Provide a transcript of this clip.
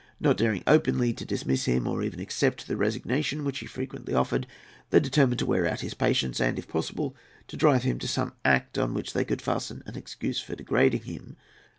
Not daring openly to dismiss him or even to accept the resignation which he frequently offered, they determined to wear out his patience, and, if possible, to drive him to some act on which they could fasten as an excuse for degrading him.